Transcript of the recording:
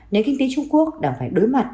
nếu kinh tế trung quốc đang phải đối mặt